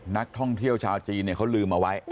นักท่องเที่ยวชาวจีนเขาลืมเอาไว้